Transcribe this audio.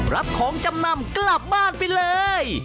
รับของจำนำกลับบ้านไปเลย